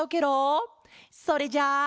それじゃあ。